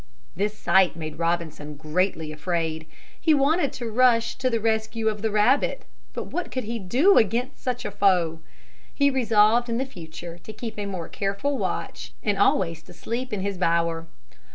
This sight made Robinson greatly afraid. He wanted to rush to the rescue of the rabbit, but what could he do against such a foe? He resolved in the future to keep a more careful watch and always to sleep in his bower.